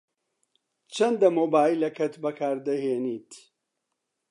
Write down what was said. چەندە مۆبایلەکەت بەکار دەهێنیت؟